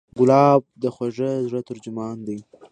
ګلاب د خوږه زړه ترجمان دی.